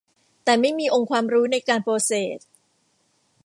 แต่ไม่มีองค์ความรู้ในการโปรเซส